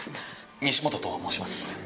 西本と申します。